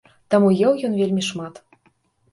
Таму еў ён вельмі шмат.